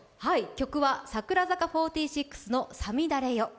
曲は櫻坂４６の「五月雨よ」。